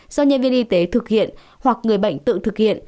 do nhân viên y tế thực hiện hoặc người bệnh tự thực hiện